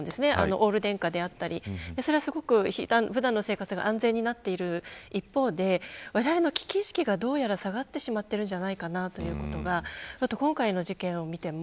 オール電化であったり普段の生活が安全になっている一方でわれわれの危機意識が下がってしまっているんじゃないかなということが今回の事件を見ても